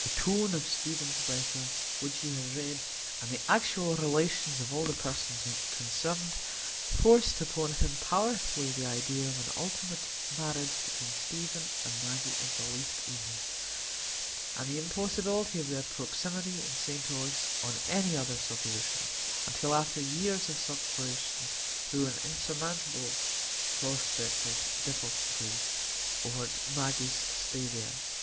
The tone of Stephen's letter, which he had read, and the actual relations of all the persons concerned, forced upon him powerfully the idea of an ultimate marriage between Stephen and Maggie as the least evil; and the impossibility of their proximity in St Ogg's on any other supposition, until after years of separation, threw an insurmountable prospective difficulty over Maggie's stay there.